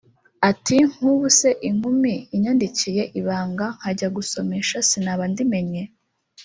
Ati “nk’ubu se inkumi inyandikiye ibanga nkajya gusomesha sinaba ndimennye